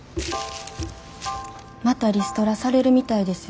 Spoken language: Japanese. またリストラされるみたいですよ。